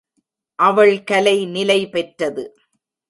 அவள் கலை நிலைபெற்றது.